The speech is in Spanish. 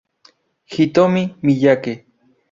Hitomi Miyake